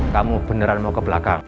kamu beneran mau ke belakang